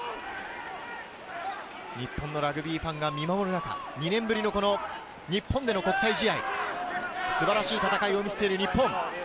日本ラグビーファンが見守る中、２年ぶりの日本での国際試合、素晴らしい戦いを見せている日本。